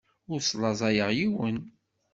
Ur slaẓayeɣ yiwen.